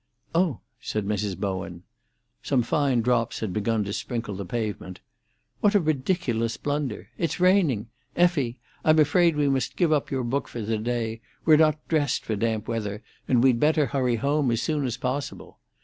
"Oh!" said Mrs. Bowen. Some fine drops had begun to sprinkle the pavement. "What a ridiculous blunder! It's raining! Effie, I'm afraid we must give up your book for to day. We're not dressed for damp weather, and we'd better hurry home as soon as possible."